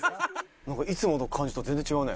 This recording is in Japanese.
いつもの感じと全然違うね。